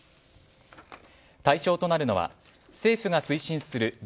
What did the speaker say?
対象となるのは政府が推進するＧＩＧＡ